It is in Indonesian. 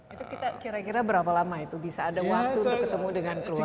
itu kita kira kira berapa lama itu bisa ada waktu untuk ketemu dengan keluarga